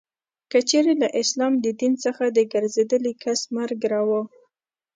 که چیري له اسلام د دین څخه د ګرځېدلې کس مرګ روا.